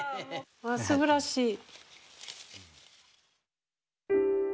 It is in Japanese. すばらしい。